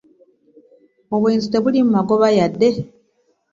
Obwenzi tebuliimu magoba wadde.